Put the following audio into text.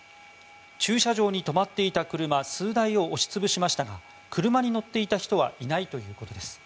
駐車場に止まっていた車数台を押し潰しましたが車に乗っていた人はいないということです。